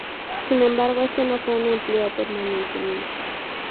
Sin embargo, este no fue un empleo permanente.